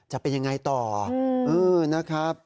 จะเป็นยังไงต่อนะครับ